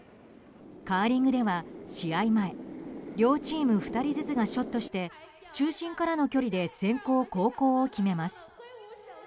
カーリングでは試合前両チーム２人ずつがショットして中心からの距離で先攻・後攻を決めます。